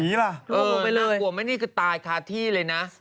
น่ากลัวไหมนี่ก็ตายคราบที่เลยนะ